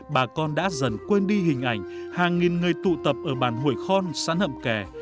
bà con đã dần quên đi hình ảnh hàng nghìn người tụ tập ở bàn hội khon sẵn hậm kè